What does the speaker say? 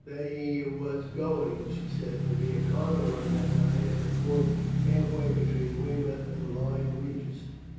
There was going, she said, to be a cargo run that night at a point half way between Weymouth and Lyme Regis.